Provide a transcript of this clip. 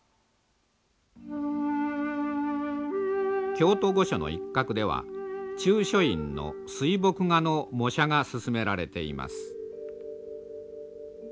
京都御所の一角では中書院の水墨画の模写が進められています。